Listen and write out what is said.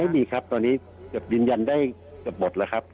ไม่มีครับตอนนี้ยืนยันได้กับหมดแล้วครับ